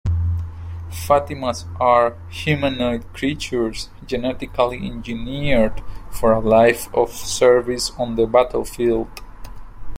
Fatimas are humanoid creatures genetically engineered for a life of service on the battlefield.